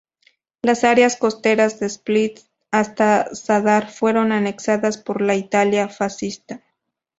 Las áreas costeras de Split hasta Zadar fueron anexadas por la Italia fascista.